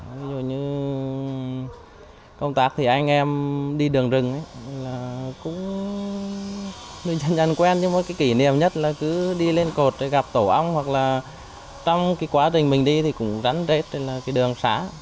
ví dụ như công tác thì anh em đi đường rừng cũng nhận quen với một kỷ niệm nhất là cứ đi lên cột gặp tổ ong hoặc là trong quá trình mình đi thì cũng rắn rết trên đường xá